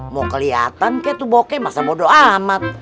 mau keliatan kek tuh bokeh masa bodo amat